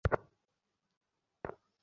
Houston, আমাদের হাতে সময় ফুরিয়ে আসছে।